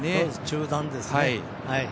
中団ですね。